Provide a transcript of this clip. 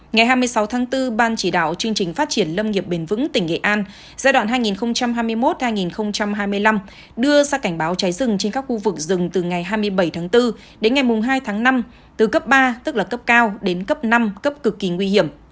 ngày hai mươi sáu tháng bốn ban chỉ đạo chương trình phát triển lâm nghiệp bền vững tỉnh nghệ an giai đoạn hai nghìn hai mươi một hai nghìn hai mươi năm đưa ra cảnh báo cháy rừng trên các khu vực rừng từ ngày hai mươi bảy tháng bốn đến ngày hai tháng năm từ cấp ba tức là cấp cao đến cấp năm cấp cực kỳ nguy hiểm